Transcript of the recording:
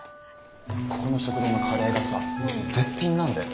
ここの食堂のカレーがさ絶品なんだよ。